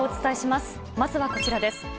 まずはこちらです。